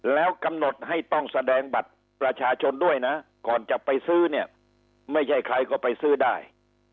แล้วกำหนดให้ต้องแสดงบัตรประชาชนด้วยนะก่อนจะไปซื้อเนี่ยไม่ใช่ใครก็ไปซื้อได้